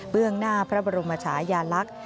เบื้องหน้าพระบรมชายาลักษณ์